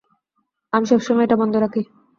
আমি সবসময় এটা বন্ধ রাখি।